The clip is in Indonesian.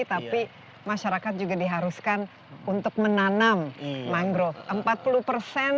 tapi masyarakat juga diharuskan untuk menanam mangrove